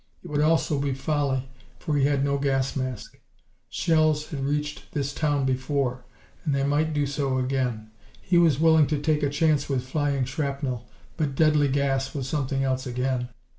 It would also be folly, for he had no gas mask. Shells had reached this town before, and they might do so again. He was willing to take a chance with flying shrapnel, but deadly gas was something else again.